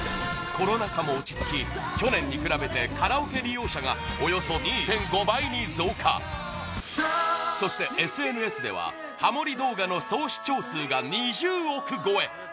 コロナ禍も落ち着き去年に比べてカラオケ利用者がおよそ２．５倍に増加そして、ＳＮＳではハモり動画の総視聴数が２０億超え